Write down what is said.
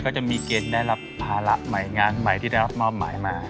จะมีเกณฑ์ได้รับภาระใหม่งานใหม่ที่ได้รับมอบหมายมา